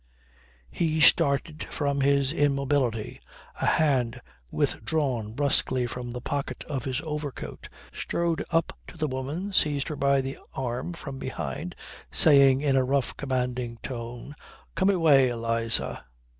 He started from his immobility, a hand withdrawn brusquely from the pocket of his overcoat, strode up to the woman, seized her by the arm from behind, saying in a rough commanding tone: "Come away, Eliza."